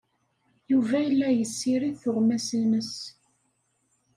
Yuba la yessirid tuɣmas-nnes.